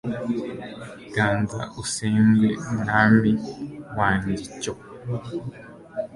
ganza usengwe mwami wanjye, cyo